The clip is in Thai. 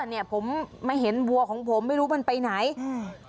นี่ผมได้มาเห็นวัวของผมมันไปไหนเออ